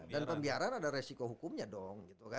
dan pembiaran ada resiko hukumnya dong